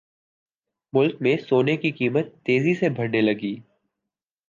ملک میں سونے کی قیمت تیزی سے بڑھنے لگی